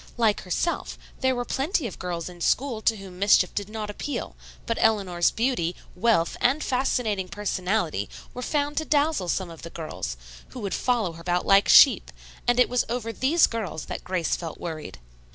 Like herself, there were plenty of girls in school to whom mischief did not appeal, but Eleanor's beauty, wealth and fascinating personality were found to dazzle some of the girls, who would follow her about like sheep, and it was over these girls that Grace felt worried.